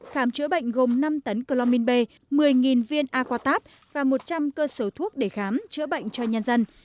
khám chữa bệnh gồm năm tấn chlomin b một mươi viên aquatab và một trăm linh cơ sở thuốc để khám chữa bệnh cho nhân dân